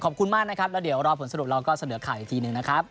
ขอบคุณมากนะครับแล้วเดี๋ยวรอผลสรุปเราก็เสนอข่าวอีกทีหนึ่งนะครับ